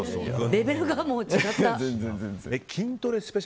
レベルがもう違った。